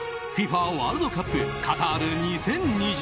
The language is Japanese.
ワールドカップカタール２０２２。